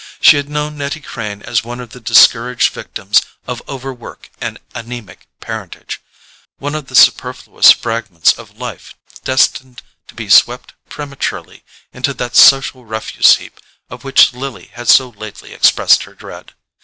She had known Nettie Crane as one of the discouraged victims of over work and anaemic parentage: one of the superfluous fragments of life destined to be swept prematurely into that social refuse heap of which Lily had so lately expressed her dread.